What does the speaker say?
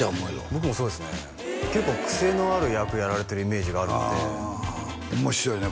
僕もそうですね結構クセのある役やられてるイメージがあるので面白いね